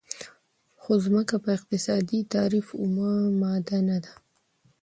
خو ځمکه په اقتصادي تعریف اومه ماده نه ده.